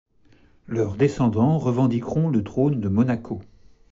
Leurs descendants revendiqueront le trône de Monaco.